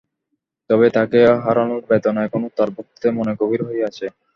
তবে তাঁকে হারানোর বেদনা এখনো তাঁর ভক্তদের মনে গভীর হয়ে আছে।